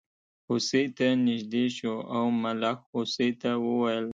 هوسۍ ته نژدې شو او ملخ هوسۍ ته وویل.